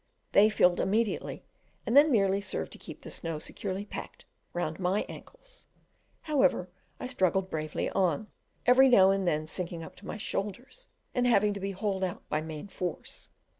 They filled immediately, and then merely served to keep the snow securely packed round my ankles; however, I struggled bravely on, every now and then sinking up to my shoulders, and having to be hauled out by main force.